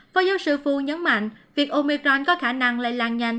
phó giáo sư fu nhấn mạnh việc omicron có khả năng lây lan nhanh